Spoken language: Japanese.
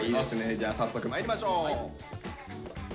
じゃあ早速まいりましょう。